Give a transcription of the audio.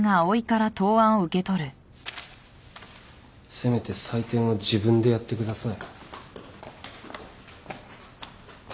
せめて採点は自分でやってください。